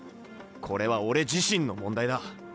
これは俺自身の問題だ。